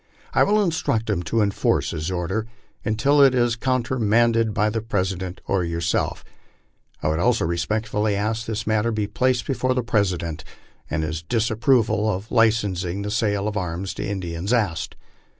I will instruct him to enforce his order until it is countermanded by the President or yourself. I would also respectfully ask that this matter be placed before the Presi dent, and his disapproval of licensing the sale of arms to Indians asked.